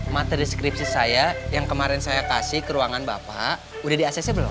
materi skripsi saya yang kemarin saya kasih ke ruangan bapak udah di acc belum